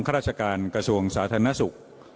ราชการกระทรวงสาธารณสุข